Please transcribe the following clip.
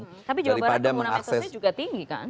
tapi jawa barat pengguna medsosnya juga tinggi kan